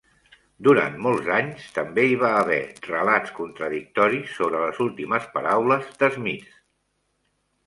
Durant molts anys, també hi va haver relats contradictoris sobre les últimes paraules d'Smith.